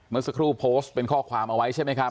เมื่อสักครู่โพสต์เป็นข้อความเอาไว้ใช่ไหมครับ